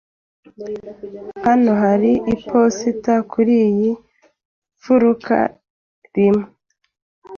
Hano hari iposita kuriyi mfuruka rimwe.